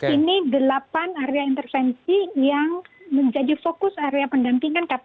ini delapan area intervensi yang menjadi fokus area pendampingan kpk